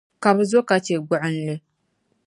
Ka bɛ zo ka chɛ gbuɣinli.